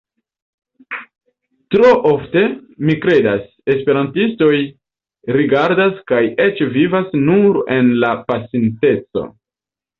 Tro ofte, mi kredas, esperantistoj rigardas kaj eĉ vivas nur en la pasinteco.